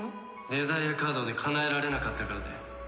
デザイアカードでかなえられなかったからだよ。